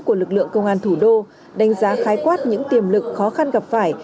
của lực lượng công an thủ đô đánh giá khái quát những tiềm lực khó khăn gặp phải